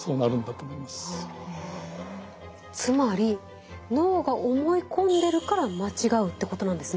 つまり脳が思い込んでるから間違うってことなんですね。